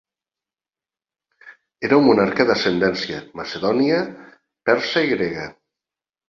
Era un monarca d'ascendència macedònia persa i grega.